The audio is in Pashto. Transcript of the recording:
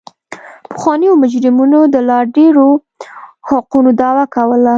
پخوانیو مجرمینو د لا ډېرو حقونو دعوه کوله.